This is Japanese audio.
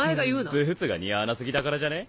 スーツが似合わな過ぎだからじゃね？